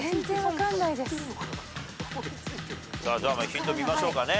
ヒント見ましょうかね。